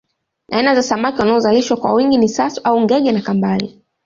Aina za samaki wanaozalishwa kwa wingi ni sato au ngege na kambale